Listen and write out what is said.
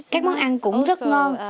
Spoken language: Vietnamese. các món ăn cũng rất ngon